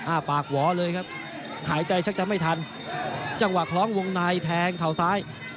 ปากหวอเลยครับหายใจชักจะไม่ทันจังหวะคล้องวงในแทงเข่าซ้าย